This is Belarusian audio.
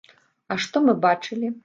А што мы бачылі?